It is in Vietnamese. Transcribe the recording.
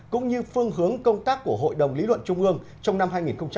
cũng như phương hướng công tác của hội đồng lý luận trung ương trong năm hai nghìn hai mươi